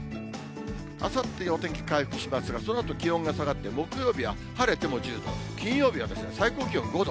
あさって、お天気回復しますが、そのあと気温が下がって、木曜日は晴れても１０度、金曜日は最高気温５度。